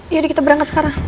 yaudah kita berangkat sekarang